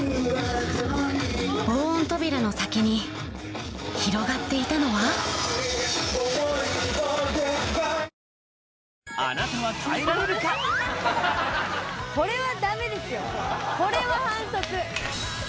防音扉の先に広がっていたのはそのライブとは？